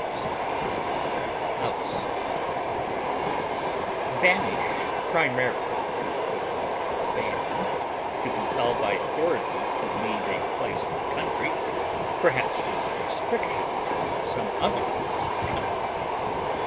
dislodge, eject, Banish, primarily to put under ban, to compel by authority to leave a place or country, perhaps with restriction to some other place or country.